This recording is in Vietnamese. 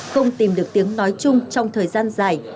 không tìm được tiếng nói chung trong thời gian dài